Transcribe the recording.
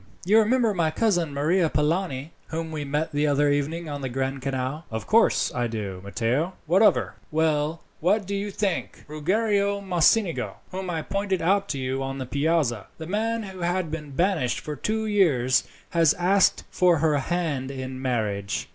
"You remember my cousin Maria Polani, whom we met the other evening on the Grand Canal?" "Of course I do, Matteo. What of her?" "Well, what do you think? Ruggiero Mocenigo, whom I pointed out to you on the Piazza the man who had been banished for two years has asked for her hand in marriage."